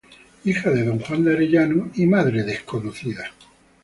Hija de D. Juan de Arellano y de Dª.